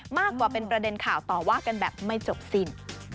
มากกว่าเป็นประเด็นข่าวต่อว่ากันแบบไม่จบสิ้น